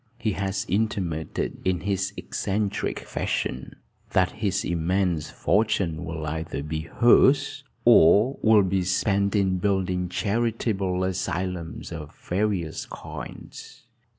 He has intimated, in his eccentric fashion, that his immense fortune will either be hers, or will be spent in building charitable asylums of various kinds.